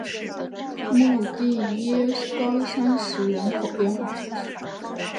穆蒂耶高石人口变化图示